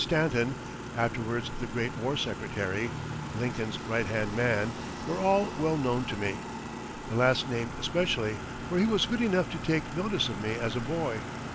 Stanton, afterwards the great War Secretary ("Lincoln's right hand man") were all well known to me the last named especially, for he was good enough to take notice of me as a boy.